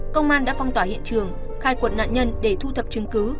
công an đã phong tỏa hiện trường khai quật nạn nhân để thu thập chứng cứ